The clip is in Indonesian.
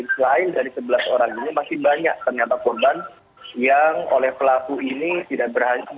selain dari sebelas orang ini masih banyak ternyata korban yang oleh pelaku ini tidak berhasil